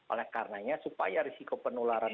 oleh karenanya supaya risiko penularan